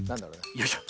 よいしょ。